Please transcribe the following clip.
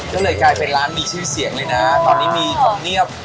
ก็เลยกลายเป็นร้านมีชื่อเสียงเลยนะตอนนี้มีธรรมเนียบ